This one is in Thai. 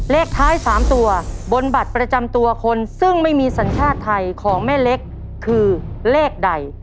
เลขท้าย๓ตัวบนบัตรประจำตัวคนซึ่งไม่มีสัญชาติไทยของแม่เล็กคือเลขใด